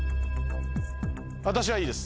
私はいいです。